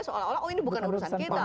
seolah olah oh ini bukan urusan kita